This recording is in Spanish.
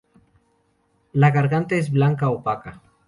La garganta es blanca opaca.